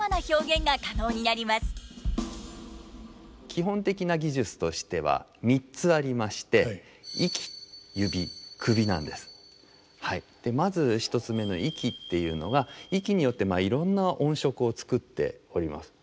基本的な技術としては３つありましてまず１つ目の息っていうのが息によっていろんな音色を作っております。